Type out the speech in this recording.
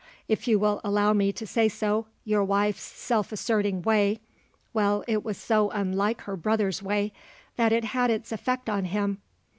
If you will allow me to say so, your wife's self asserting way well, it was so unlike her brother's way, that it had its effect on him!